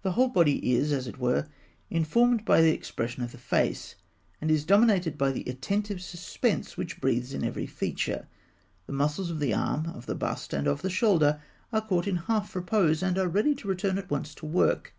The whole body is, as it were, informed by the expression of the face, and is dominated by the attentive suspense which breathes in every feature. The muscles of the arm, of the bust, and of the shoulder are caught in half repose, and are ready to return at once to work.